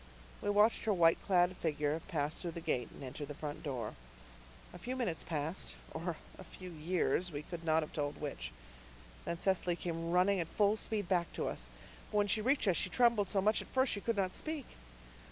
We watched her white clad figure pass through the gate and enter the front door. A few minutes passed or a few years we could not have told which. Then Cecily came running at full speed back to us. But when she reached us she trembled so much that at first she could not speak.